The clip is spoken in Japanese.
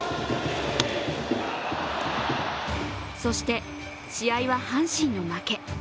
そして、試合は阪神の負け。